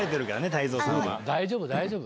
大丈夫大丈夫。